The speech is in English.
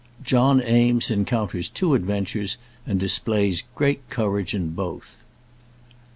JOHN EAMES ENCOUNTERS TWO ADVENTURES, AND DISPLAYS GREAT COURAGE IN BOTH.